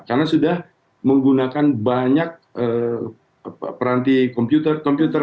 karena sudah menggunakan banyak peranti komputerized